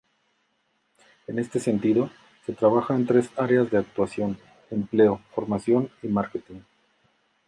En este sentido, se trabaja en tres áreas de actuación: empleo, formación, y marketing.